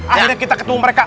akhirnya kita ketemu mereka